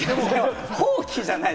放棄じゃない！